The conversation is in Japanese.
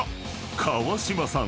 ［川島さん